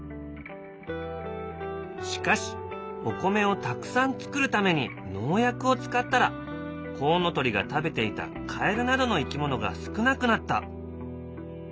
しかしお米をたくさん作るために農薬を使ったらコウノトリが食べていたカエルなどの生き物が少なくなった。